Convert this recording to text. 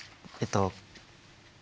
えっと